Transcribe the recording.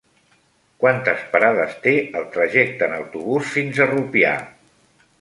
Quantes parades té el trajecte en autobús fins a Rupià?